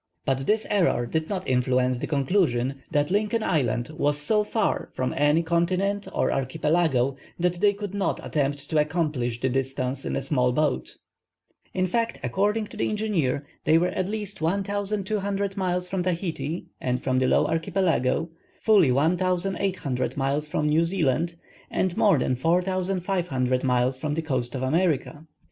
But this error did not influence the conclusion that Lincoln Island was so far from any continent or archipelago that they could not attempt to accomplish the distance in a small boat. In fact, according to the engineer, they were at least 1,200 miles from Tahiti and from the Low Archipelago, fully 1,800 miles from New Zealand, and more than 4,500 miles from the coast of America.